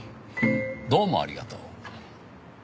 どうもありがとう。